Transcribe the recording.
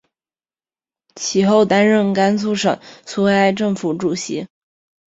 其后担任甘肃省苏维埃政府主席。